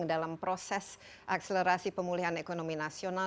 dalam proses akselerasi pemulihan ekonomi nasional